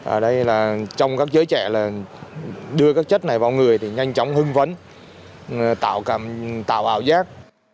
ở đây là trong các giới trẻ là đưa các chất này vào người thì nhanh chóng hưng vấn tạo ảo giác